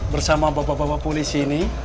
bersama bapak bapak polisi ini